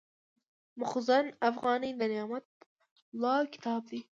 مخزن افغاني د نعمت الله کتاب دﺉ.